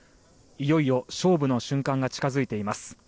いよいよ勝負の瞬間が近づいています。